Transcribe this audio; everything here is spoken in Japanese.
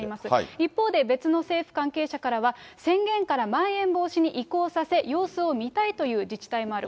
一方で、別の政府関係者からは、宣言からまん延防止に移行させ、様子を見たいという自治体もある。